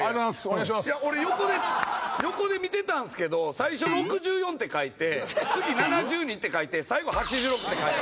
いや俺横で見てたんですけど最初６４って書いて次７２って書いて最後８６って書いてた。